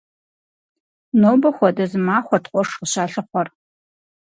Нобэ хуэдэ зы махуэт къуэш къыщалъыхъуэр.